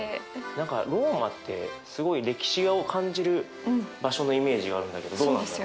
何かローマってすごい歴史を感じる場所のイメージがあるんだけどどうなんだろう。